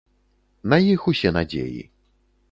На іх усе надзеі.